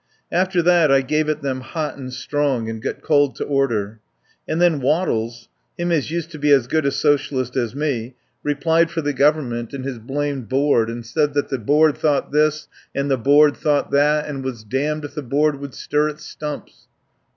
After that I gave it them hot and strong, and got called to order. And then Wattles, him as used to be as good a so cialist as me, replied for the Government and 114 I TAKE A PARTNER his blamed Board and said that the Board thought this and the Board thought that, and was damned if the Board would stir its stumps.